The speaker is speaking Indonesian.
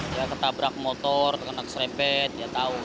dia ketabrak motor kena keserepet dia tahu